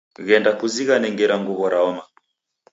Ghenda kuzighane ngera nguw'o raoma